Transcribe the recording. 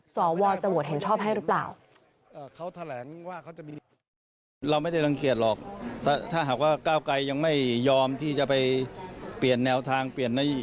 สวจะโหวตเห็นชอบให้หรือเปล่า